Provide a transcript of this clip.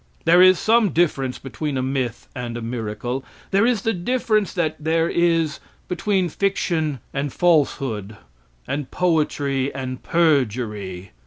There is some difference between a myth and a miracle. There is the difference that there is between fiction and falsehood and poetry and perjury.